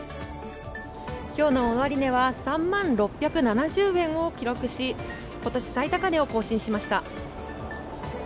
今日の終値は３万６７０を記録し今年最高値を更新しました。